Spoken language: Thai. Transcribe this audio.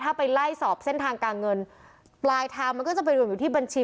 ถ้าไปไล่สอบเส้นทางการเงินปลายทางมันก็จะไปรวมอยู่ที่บัญชี